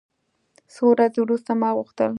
څو ورځې وروسته ما غوښتل.